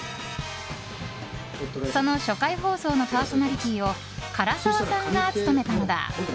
その初回放送のパーソナリティーを唐沢さんが務めたのだ。